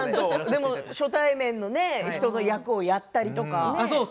初対面の人の役をやったりとか。